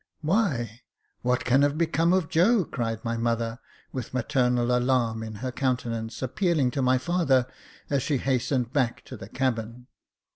" "Why, what can have become of Joe ?" cried my mother, with maternal alarm in her countenance, appealing to my father, as she hastened back to the cabin.